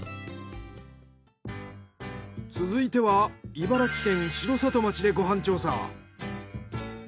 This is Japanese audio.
続いては茨城県城里町でご飯調査。